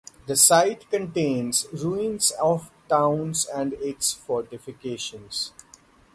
The site contains ruins of the town and its fortifications.